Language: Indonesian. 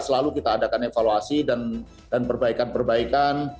selalu kita adakan evaluasi dan perbaikan perbaikan